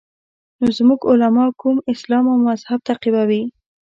نو زموږ علما کوم اسلام او مذهب تعقیبوي.